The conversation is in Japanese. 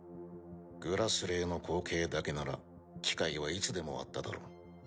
「グラスレー」の後継だけなら機会はいつでもあっただろう。